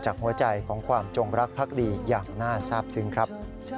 หัวใจของความจงรักภักดีอย่างน่าทราบซึ้งครับ